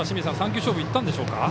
３球勝負いったんでしょうか。